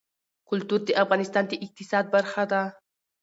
کلتور د افغانستان د اقتصاد برخه ده.